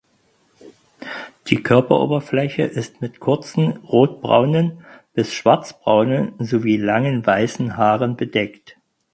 Die Körperoberfläche ist mit kurzen rotbraunen bis schwarzbraunen sowie langen weißen Haaren bedeckt.